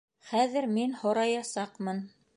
Хәҙер мин һораясаҡмын.